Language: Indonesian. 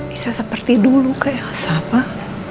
bisa seperti dulu ke elsa pak